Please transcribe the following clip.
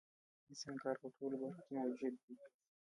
د انسان کار په ټولو برخو کې موجود دی